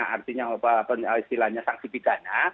artinya istilahnya sanksi pidana